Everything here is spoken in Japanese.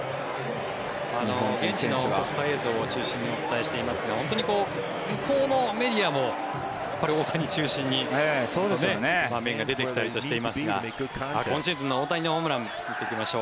現地の国際映像を中心にお伝えしていますが向こうのメディアも大谷中心に場面が出てきたりしていますが今シーズンの大谷のホームラン見ていきましょう。